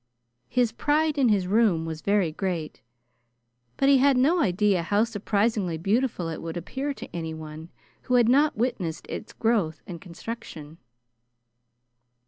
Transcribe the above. His pride in his room was very great, but he had no idea how surprisingly beautiful it would appear to anyone who had not witnessed its growth and construction.